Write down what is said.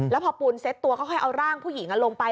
แล้วพอปูนเซ็ตตัวก็ค่อยเอาร่างผู้หญิงลงไป